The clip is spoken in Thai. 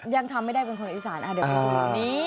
ยังทำไม่ได้เป็นคนอีสานเดี๋ยวไปดูนี้